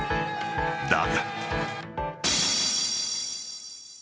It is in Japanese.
だが。